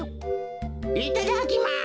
いただきます！